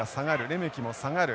レメキも下がる。